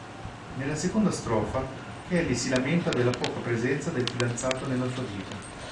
Nella seconda strofa, Kelly si lamenta della poca presenza del fidanzato nella sua vita.